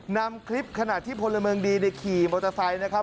นำคลิปขณะที่พลเมืองดีในขี่มอเตอร์ไซค์นะครับ